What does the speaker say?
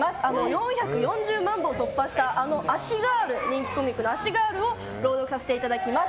４４０万部を突破したあの「アシガール」を朗読させていただきます。